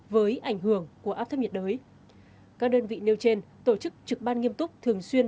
với ảnh hưởng của áp thấp nhiệt đới các đơn vị nêu trên tổ chức trực ban nghiêm túc thường xuyên